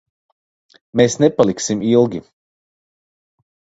Mēs nepaliksim ilgi.